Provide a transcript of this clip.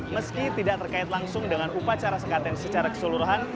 meski tidak terkait langsung dengan upacara sekaten secara keseluruhan